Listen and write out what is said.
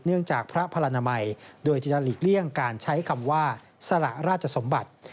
จากพระพลนามัยโดยจะหลีกเลี่ยงการใช้คำว่าสละราชสมบัติ